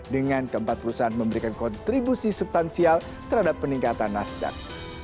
dengan keempat perusahaan memberikan kontribusi subtansial terhadap peningkatan nasdaq